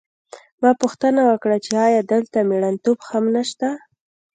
ما پوښتنه وکړه چې ایا دلته مېړنتوب هم نشته